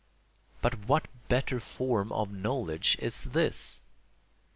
But what better form of knowledge is this?